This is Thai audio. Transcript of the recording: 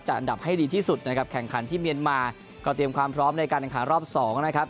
อันดับให้ดีที่สุดนะครับแข่งขันที่เมียนมาก็เตรียมความพร้อมในการแข่งขันรอบสองนะครับ